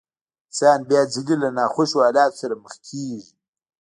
انسان بيا ځلې له ناخوښو حالاتو سره مخ کېږي.